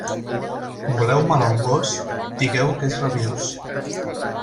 Voleu mal a un gos? Digueu que és rabiós.